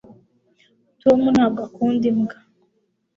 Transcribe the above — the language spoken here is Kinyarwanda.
tom ntabwo akunda imbwa